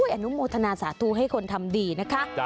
อนุโมทนาสาธุให้คนทำดีนะคะ